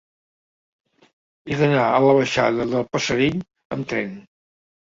He d'anar a la baixada del Passerell amb tren.